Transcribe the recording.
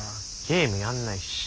ゲームやんないし。